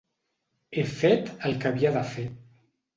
He fet el que havia de fer.